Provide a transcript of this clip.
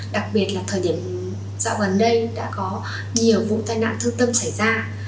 đặc biệt là thời điểm dạo gần đây đã có nhiều vụ tai nạn thương tâm xảy ra